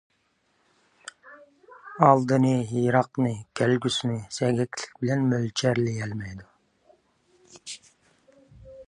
ئالدىنى، يىراقنى كەلگۈسىنى سەگەكلىك بىلەن مۆلچەرلىيەلمەيدۇ.